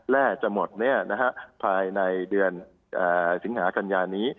แร่จะหมดภายในเดือนสิงหากัญญานี้